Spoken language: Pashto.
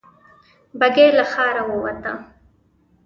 بګۍ له ښاره ووته.